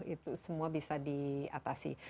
itu semua bisa diatasi